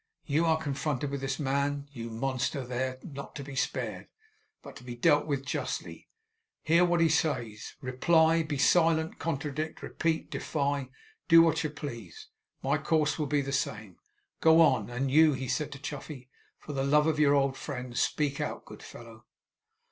You are confronted with this man, you monster there; not to be spared, but to be dealt with justly. Hear what he says! Reply, be silent, contradict, repeat, defy, do what you please. My course will be the same. Go on! And you,' he said to Chuffey, 'for the love of your old friend, speak out, good fellow!